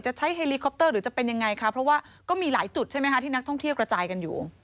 จะใช้เฮลีคอปเตอร์หรือจะเป็นอย่างไรคะ